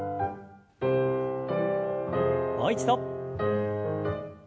もう一度。